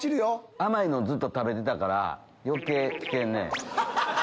甘いのずっと食べてたから余計来てるね。